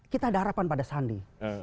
kita ada harapan pada sandi